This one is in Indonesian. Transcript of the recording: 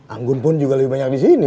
anggun pun juga lebih banyak disini